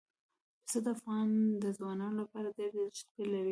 پسه د افغان ځوانانو لپاره ډېره دلچسپي لري.